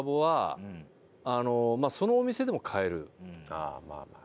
ああまあまあ。